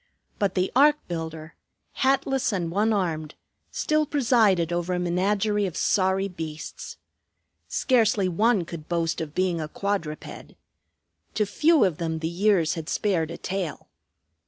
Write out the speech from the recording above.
But the ark builder, hatless and one armed, still presided over a menagerie of sorry beasts. Scarcely one could boast of being a quadruped. To few of them the years had spared a tail.